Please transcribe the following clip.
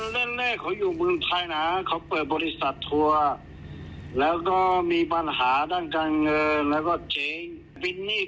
มีความอย่างเงี้ยมาถึงเกิดเรื่องอันเนี้ย